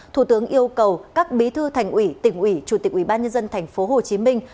thủ tướng yêu cầu các bí thư thành ủy tỉnh ủy chủ tịch ubnd thành phố hồ chí minh